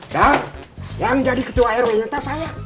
dah yang jadi ketua rw nyata saya